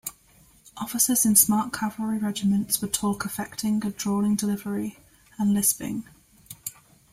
Officers in smart cavalry regiments would talk affecting a drawling delivery, and lisping.